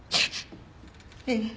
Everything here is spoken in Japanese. ええ。